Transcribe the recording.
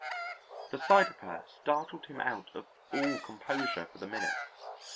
The sight of her startled him out of all composure for the minute.